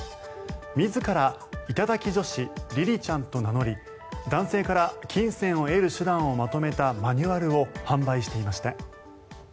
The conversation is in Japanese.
自ら頂き女子りりちゃんと名乗り男性から金銭を得る手段をまとめたマニュアルを販売していました。